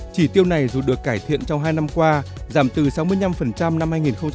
chỉ tiêu này dù được cải thiện trong hai năm qua giảm từ sáu mươi năm năm hai nghìn một mươi ba hai nghìn một mươi bốn